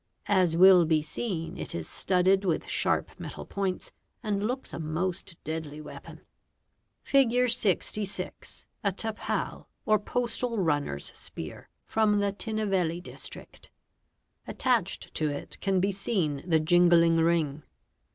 As will be seen it is studded ith sharp metal points and looks a most deadly weapon. _ Figure 66: a tappal or postal runner's spear from the Tinnevelly trict. Attached to it can be seen the jingling ring.